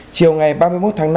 chiều ngày ba mươi một tháng năm